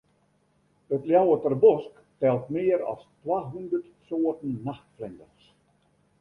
It Ljouwerter Bosk telt mear as twa hûndert soarten nachtflinters.